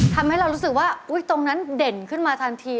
ทำให้เรารู้สึกว่าตรงนั้นเด่นขึ้นมาทันที